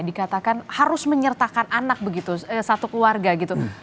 dikatakan harus menyertakan anak begitu satu keluarga gitu